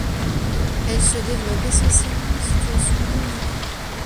Elle se développe essentiellement en situation humide.